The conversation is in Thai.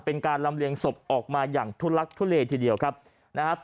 เป็นการลำเลียงศพออกมาอย่างทุลักทุเลทีเดียวครับนะฮะ